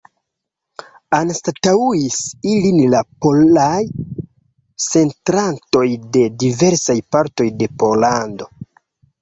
Anstataŭis ilin la polaj setlantoj de diversaj partoj de Pollando.